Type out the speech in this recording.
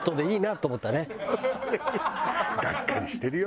がっかりしてるよ。